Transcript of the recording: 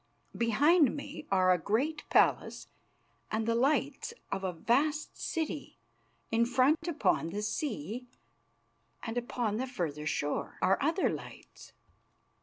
Behind me are a great palace and the lights of a vast city; in front, upon the sea and upon the farther shore, are other lights.